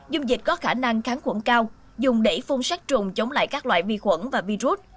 dung dịch có khả năng kháng khuẩn cao dùng để phun sát trùng chống lại các loại vi khuẩn và virus